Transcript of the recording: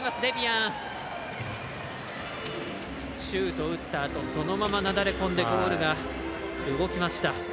シュートを打ったあとそのまま、なだれ込んでゴールが動きました。